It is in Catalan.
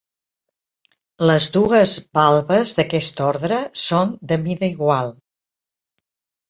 Les dues valves d'aquest ordre són de mida igual.